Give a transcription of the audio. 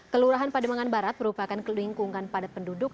kelurahan pademangan barat merupakan lingkungan padat penduduk